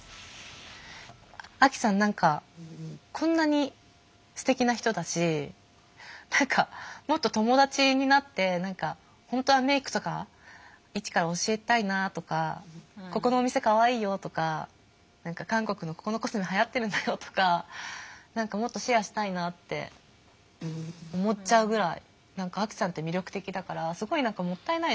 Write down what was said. アキさん何かこんなにすてきな人だし何かもっと友だちになって何か本当はメイクとか一から教えたいなあとかここのお店かわいいよとか何か韓国のここのコスメはやってるんだよとか何かもっとシェアしたいなって思っちゃうぐらい何かアキさんって魅力的だからすごい何かもったいないなと思う。